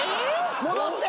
戻って！